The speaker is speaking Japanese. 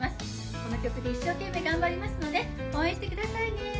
この曲で一生懸命頑張りますので応援してくださいね